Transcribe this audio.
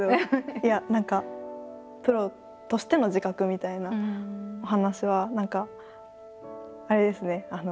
いや何かプロとしての自覚みたいなお話は何かあれですね